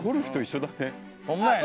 ほんまやね。